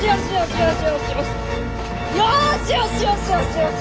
よしよしよしよしよし！